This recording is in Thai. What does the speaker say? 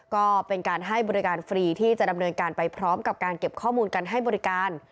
ก็เป็นการให้บริการฟรีที่จะดำเนินการไปพร้อมกับการเก็บข้อมูลการให้บริการ